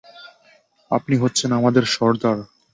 আপনি হচ্ছেন আমাদের সর্দার।